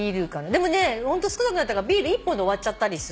でもね少なくなったからビール１本で終わっちゃったりする。